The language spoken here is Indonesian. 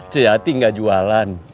coyati gak jualan